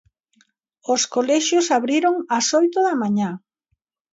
Os colexios abriron ás oito da mañá.